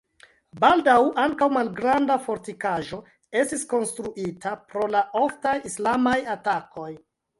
Baldaŭ ankaŭ malgranda fortikaĵo estis konstruita pro la oftaj islamaj atakoj.